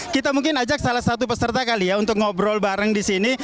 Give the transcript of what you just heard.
kita mungkin ajak salah satu peserta kali ya untuk ngobrol bareng di sini